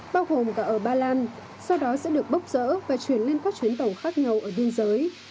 bao gồm cả ở ba lan sau đó sẽ được bốc rỡ và chuyển lên các chuyến tàu khác nhau ở biên giới